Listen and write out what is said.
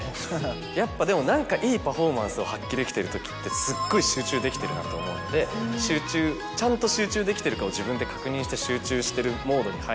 やっぱでも何かいいパフォーマンスを発揮できてる時ってすっごい集中できてるなと思うのでちゃんと集中できてるかを自分で確認して。